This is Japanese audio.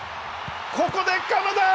ここで鎌田！